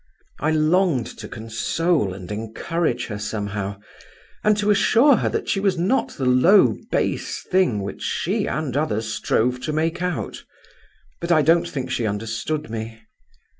I longed to console and encourage her somehow, and to assure her that she was not the low, base thing which she and others strove to make out; but I don't think she understood me.